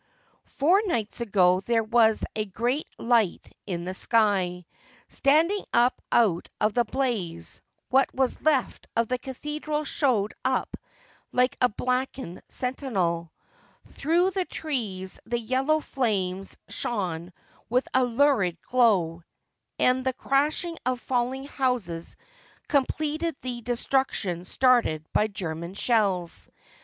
Four nights ago there was a great light in the sky. Standing up out of the blaze what was left of the cathedral showed up like a blackened sentinel. Through the trees the yellow flames shone with a lurid glow, and the crashing of falling houses completed the destruction started by German shells.